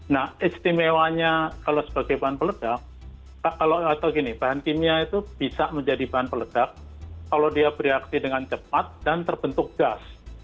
nah istimewanya kalau sebagai bahan peledak atau gini bahan kimia itu bisa menjadi bahan peledak kalau dia bereaksi dengan cepat dan terbentuk gas